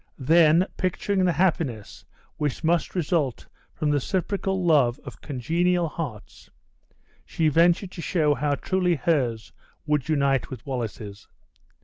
Then picturing the happiness which must result from the reciprocal love of congenial hearts, she ventured to show how truly hers would unite with Wallace's.